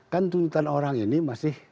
kan tuntutan orang ini masih